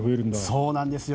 そうなんです。